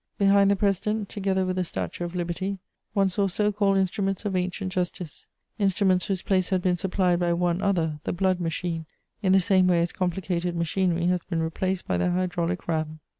Behind the president, together with a statue of Liberty, one saw so called instruments of ancient justice, instruments whose place had been supplied by one other, the blood machine, in the same way as complicated machinery has been replaced by the hydraulic ram.